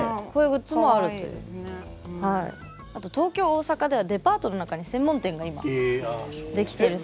あと東京大阪ではデパートの中に専門店が今出来てるそうで。